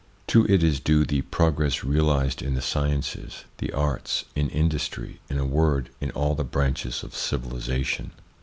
To it is due the progress realised in the sciences, the arts, in industry, in a word, in all the branches of civilisation.